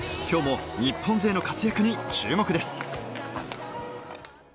今日も日本勢の活躍に注目です。